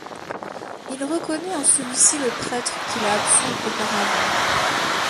Il reconnaît en celui-ci le prêtre qu'il a absous auparavant.